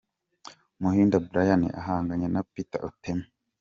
Muhinda Bryan ahanganye na Peter Otema.